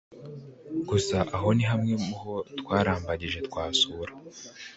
Gusa aho ni hamwe mu ho twarambagije wasura